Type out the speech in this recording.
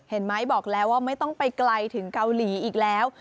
เห็นไหมบอกแล้วว่าไม่ต้องไปไกลถึงเกาหลีอีกแล้ว